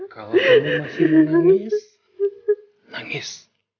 kalau kamu masih menangis nangis